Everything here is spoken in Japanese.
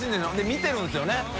見てるんですよね